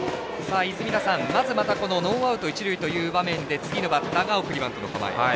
泉田さん、まずノーアウト、一塁という場面で次のバッターが送りバントの構え。